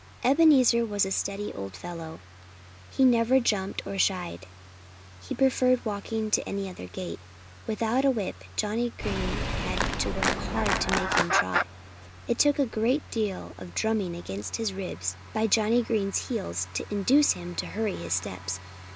Ebenezer was a steady old fellow. He never jumped nor shied. He preferred walking to any other gait. Without a whip Johnnie Green had hard work to make him trot. It took a great deal of drumming against his ribs by Johnnie Green's heels to induce him to hurry his steps.